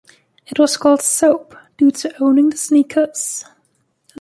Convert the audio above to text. It was called “Soap” due to owning the sneakers.